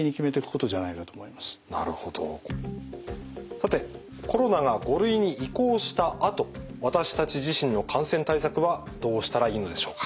さてコロナが５類に移行したあと私たち自身の感染対策はどうしたらいいのでしょうか？